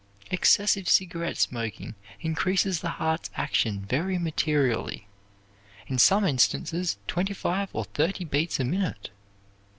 Excessive cigarette smoking increases the heart's action very materially, in some instances twenty five or thirty beats a minute.